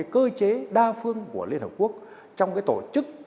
cái tổ chức